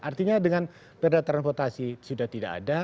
artinya dengan perda transportasi sudah tidak ada